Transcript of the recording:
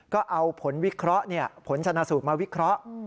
ก็เอาผลวิเคราะห์ผลชนะสูตรมาวิเคราะห์